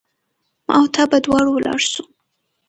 ما او تا به دواړه ولاړ سو